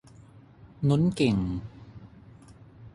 นุ้นเก่ง